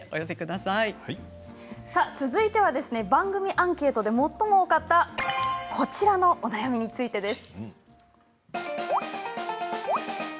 続いては番組アンケートで最も多かったこびりつきの悩みについてです。